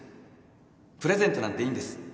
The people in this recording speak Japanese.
プレゼントなんていいんです